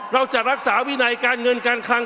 เราจะรักษาวินัยการเงินการคลัง